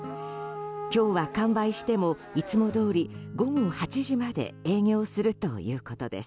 今日は完売してもいつもどおり午後８時まで営業するということです。